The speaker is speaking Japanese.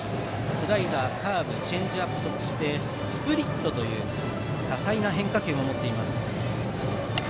スライダー、カーブチェンジアップそしてスプリットという多彩な変化球も持っています。